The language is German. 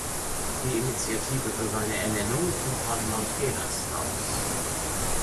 Die Initiative für seine Ernennung ging von Montgelas aus.